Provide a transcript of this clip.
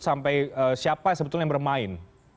sampai siapa yang sebetulnya bermain